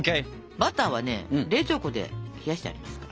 バターは冷蔵庫で冷やしてありますから。